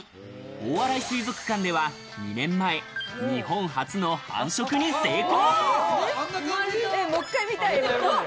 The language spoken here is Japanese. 大洗水族館では２年前、日本初の繁殖に成功。